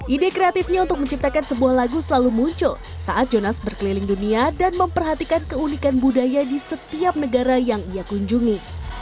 ide kreatifnya untuk menciptakan sebuah lagu selalu muncul saat jonas berkeliling dunia dan memperhatikan keunikan budaya di setiap negara yang ia kunjungi